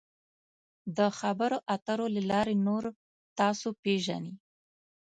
د خبرو اترو له لارې نور تاسو پیژني.